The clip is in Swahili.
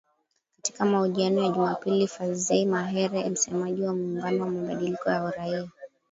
Katika mahojiano ya Jumapili Fadzayi Mahere msemaji wa muungano wa mabadiliko ya uraria